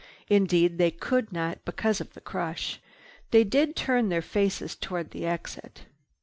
Indeed they could not because of the crush. They did turn their faces toward the exit.